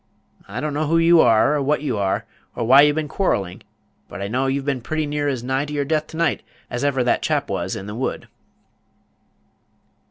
I don't know who you are, or what you are, or why you've been quarrelling; but I know you've been pretty near as nigh your death to night as ever that chap was in the wood."